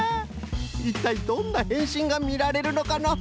いったいどんなへんしんがみられるのかの？